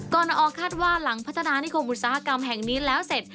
รอคาดว่าหลังพัฒนานิคมอุตสาหกรรมแห่งนี้แล้วเสร็จ